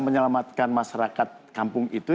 menyelamatkan masyarakat kampung itu